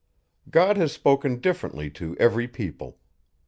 God has spoken differently to every people.